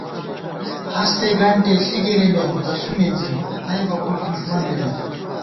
ہستے گنٹےݪی گِرِمېم تسُو مِنزی نئیبہ پُݪ دُݭمن بِمېت